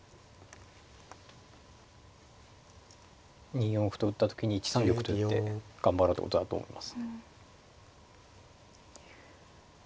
２四歩と打った時に１三玉と寄って頑張ろうってことだと思いますね。